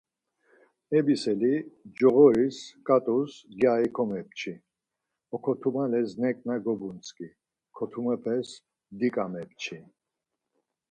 Ebiseli coğoris ǩat̆us gyari komepçi, okotumales neǩna gobuntzǩi, kotumepes diǩa mepçi.